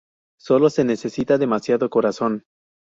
Sólo se necesita demasiado corazón.